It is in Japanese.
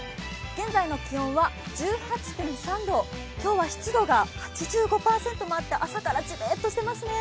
現在の気温は１８．３度、今日は湿度が８５％もあって、朝からじめっとしてますね。